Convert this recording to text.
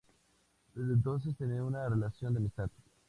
Desde entonces, tienen una relación de amistad.